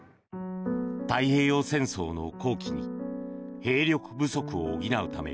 太平洋戦争の後期に兵力不足を補うため